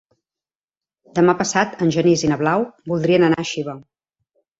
Demà passat en Genís i na Blau voldrien anar a Xiva.